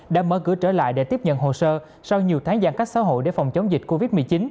đã mở cửa trở lại để tiếp nhận hồ sơ sau nhiều tháng giãn cách xã hội để phòng chống dịch covid một mươi chín